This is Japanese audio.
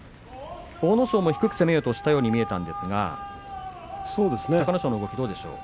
阿武咲も低く攻めようとしたと思ったんですけど隆の勝の動きはどうですか。